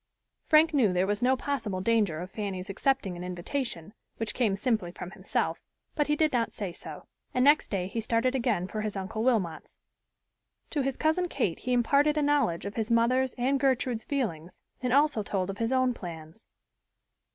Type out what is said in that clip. Frank knew there was no possible danger of Fanny's accepting an invitation, which came simply from himself, but he did not say so, and next day he started again for his Uncle Wilmot's. To his cousin Kate he imparted a knowledge of his mother's and Gertrude's feelings and also told of his own plans.